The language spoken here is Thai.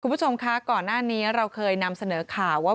คุณผู้ชมคะก่อนหน้านี้เราเคยนำเสนอข่าวว่า